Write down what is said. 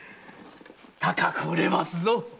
高く売れますぞ。